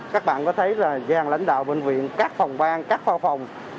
các bạn có thấy là gian lãnh đạo bệnh viện các phòng ban các pha phòng